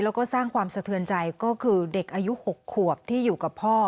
แล้วก็สร้างความสะเทือนใจก็คือเด็กอายุ๖ขวบที่อยู่กับพ่อ